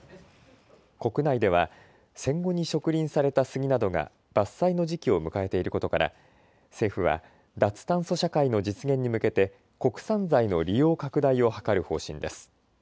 国内では戦後に植林されたスギなどが伐採の時期を迎えていることから政府は脱炭素社会の実現に向けて国産材の利用拡大を図る方針です。